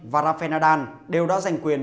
và rafael nadal đều đã giành quyền